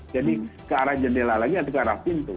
jadi ke arah jendela lagi atau ke arah pintu